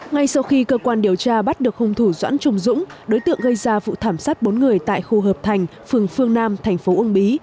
ngay sau khi cơ quan điều tra bắt được hung thủ doãn trung dũng đối tượng gây ra vụ thảm sát bốn người tại khu hợp thành phường phương nam thành phố uông bí